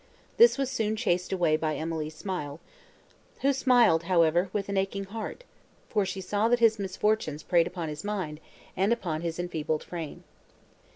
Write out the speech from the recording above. This was soon chased away by Emily's smile; who smiled, however, with an aching heart, for she saw that his misfortunes preyed upon his mind, and upon his enfeebled frame.